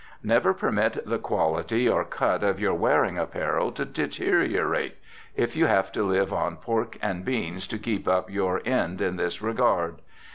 Never permit the quality or cut of your wearing apparel to deteriorate, if you have to live on pork and beans to keep up your end in this regard.